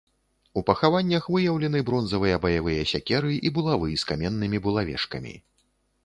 У пахаваннях выяўлены бронзавыя баявыя сякеры і булавы з каменнымі булавешкамі.